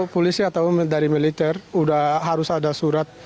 polisi atau dari militer sudah harus ada surat